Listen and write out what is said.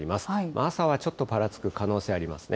朝はちょっとぱらつく可能性ありますね。